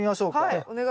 はい。